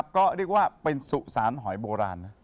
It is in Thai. ก็เรียกว่าเป็นสุสานหอยโบราณนะ